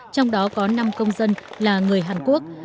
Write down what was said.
trong đó có năm công dân là người hàn quốc